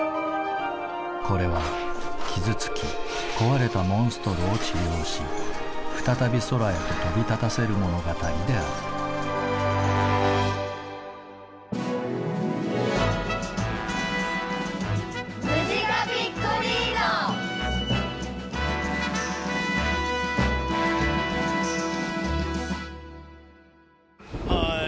これは傷つき壊れたモンストロを治療し再び空へと飛び立たせる物語であるはい。